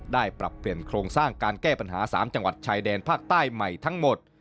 ปรับเปลี่ยนโครงสร้างการแก้ปัญหา๓จังหวัดชายแดนภาคใต้ใหม่ทั้งหมด